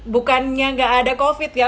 bukannya nggak ada covid ya